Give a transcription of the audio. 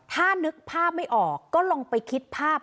ถ้านึกภาพไม่ออกก็ลองไปคิดภาพ